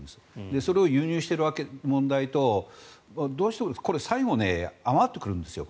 それを輸入している問題とそれと、どうしても最後余ってくるんです。